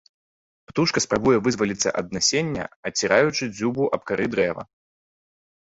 Птушка спрабуе вызваліцца ад насення, аціраючы дзюбу аб кары дрэва.